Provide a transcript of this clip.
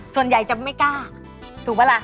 ส่วนใหญ่จะไม่กล้าถูกปะล่ะ